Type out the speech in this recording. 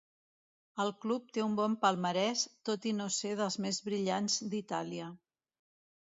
El club té un bon palmarès tot i no ser dels més brillants d'Itàlia.